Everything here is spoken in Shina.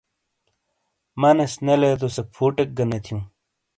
مانیس نے لیدو سے فُوٹیک گہ نے تھیوں۔